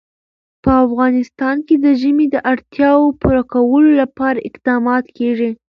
په افغانستان کې د ژمی د اړتیاوو پوره کولو لپاره اقدامات کېږي.